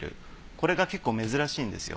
これが結構珍しいんですよ。